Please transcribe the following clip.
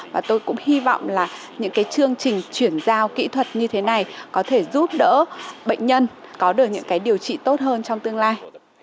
và tôi cũng hy vọng là những cái chương trình chuyển giao kỹ thuật như thế này có thể giúp đỡ bệnh nhân có được những cái điều trị tốt hơn trong tương lai